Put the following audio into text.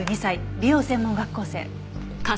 美容専門学校生。